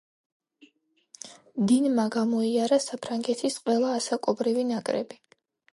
დინმა გამოიარა საფრანგეთის ყველა ასაკობრივი ნაკრები.